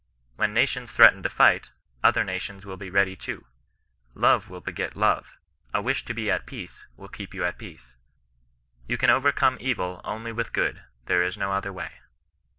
When nations threaten to fight, other nations will be ready too. Love will beget love — a wish to be at peace will keep you at peace. You can overcome evil only with good, there is no other way."